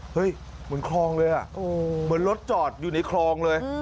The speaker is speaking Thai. เหมือนคลองเลยอ่ะเหมือนรถจอดอยู่ในคลองเลย